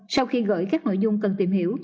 sau khi gửi các nội dung cần tìm hiểu